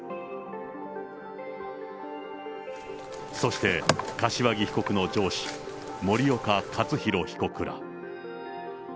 そして、柏木被告の上司、森岡克博被告ら。